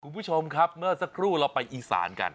คุณผู้ชมครับเมื่อสักครู่เราไปอีสานกัน